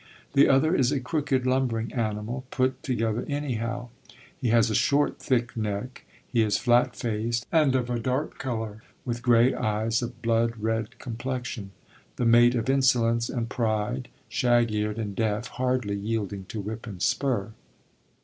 The other is a crooked lumbering animal, put together anyhow; he has a short thick neck; he is flat faced and of a dark colour, with grey eyes of blood red complexion; the mate of insolence and pride, shag eared and deaf, hardly yielding to whip and spur."